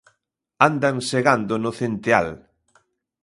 Andan segando no centeal.